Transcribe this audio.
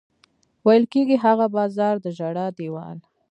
ویل کېږي هغه بازار د ژړا دېوال.